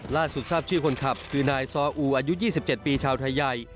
ล่าสุดทราบชื่อคนขับคือนายซออูอายุ๒๗ปีชาวไทยใหญ่